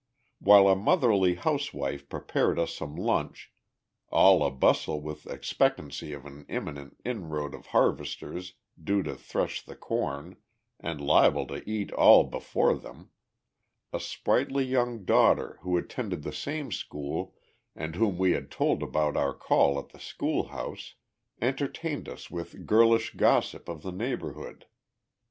While a motherly housewife prepared us some lunch, all a bustle with expectancy of an imminent inroad of harvesters due to thresh the corn, and liable to eat all before them, a sprightly young daughter, who attended the same school, and whom we had told about our call at the schoolhouse, entertained us with girlish gossip of the neighbourhood.